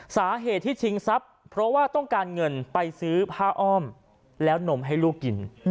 สาเหตุที่ชิงทรัพย์เพราะว่าต้องการเงินไปซื้อผ้าอ้อมแล้วนมให้ลูกกิน